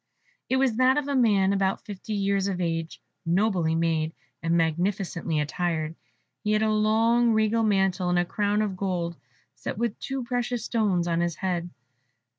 It was that of a man about fifty years of age, nobly made, and magnificently attired; he had a long regal mantle, and a crown of gold, set with precious stones, on his head.